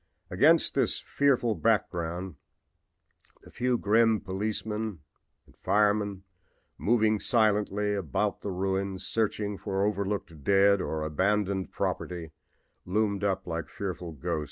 Against this fearful background the few grim firemen or police, moving silently about the ruins, searching for overlooked dead or abandoned property, loomed up like fitful ghosts.